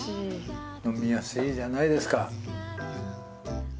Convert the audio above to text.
飲みやすいじゃないですか。